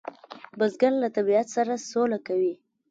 بزګر له طبیعت سره سوله کوي